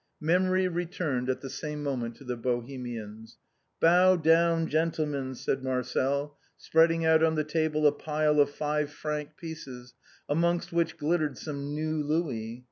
Memory returned at the same moment to the Bohemians. "Bow down, gentlemen," said Marcel, spreading out on the table a pile of five franc pieces, amongst which glittered some new louis.